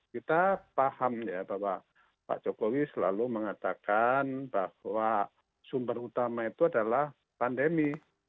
kita paham ya bahwa pak jokowi selalu mengatakan bahwa sumber utama itu adalah pandemi